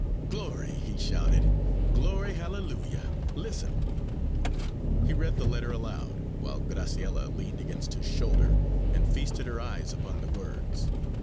"Glory!" he shouted, "glory hallelujah! Listen!" He read the letter aloud, while Graciella leaned against his shoulder and feasted her eyes upon the words.